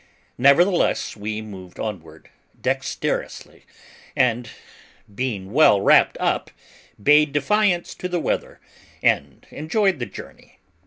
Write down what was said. Nevertheless, we moved onward, dexterously; and being well wrapped up, bade defiance to the weather, and enjoyed the journey.